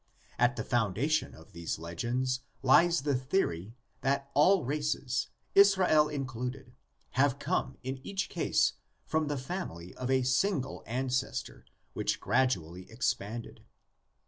At the foun dation of these legends lies the theory that all races, Israel included, have come in each case from the family of a single ancestor, which gradually expanded.